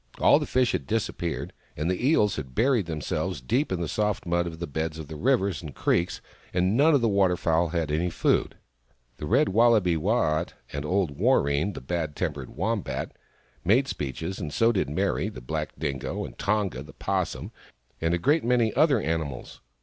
All the fish had disappeared, and the eels had buried themselves deep in the soft mud of the beds of the rivers and creeks, and none of the water fowl had any food. The Red Wallaby, Waat, and old Warreen, the bad tempered Wombat, made speeches, and so did Meri, the black Dingo, and Tonga, the 'Possum, and a great many other animals.